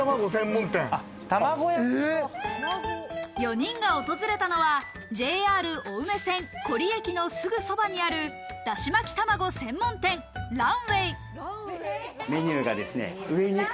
４人が訪れたのはＪＲ青梅線古里駅のすぐそばにある、だしまき玉子専門店・卵道。